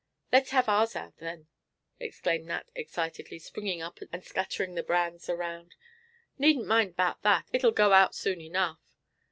"Let's have ours out then," exclaimed Nat excitedly, springing up and scattering the brands around. "Needn't mind 'bout that; it'll go out soon enough."